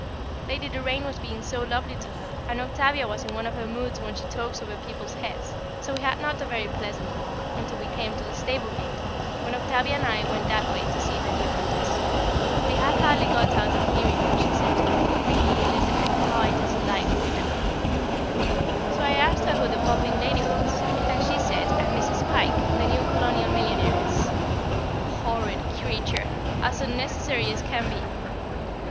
Lady Doraine was being so lovely to her, and Octavia was in one of her moods when she talks over people's heads, so we had not a very pleasant walk, until we came to the stable gate, when Octavia and I went that way to see her new hunters. We had hardly got out of hearing when she said "Really, Elizabeth, how I dislike women!" [Sidenote: The Millionaires] So I asked her who the puffing lady was, and she said a Mrs. Pike, the new Colonial millionairess. "Horrid creature, as unnecessary as can be!"